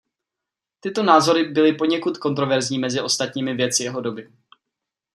Tyto názory byly poněkud kontroverzní mezi ostatními vědci jeho doby.